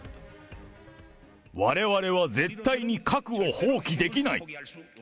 われわれは絶対に核を放棄できない。